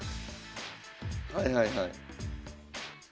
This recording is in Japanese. はいはいはい。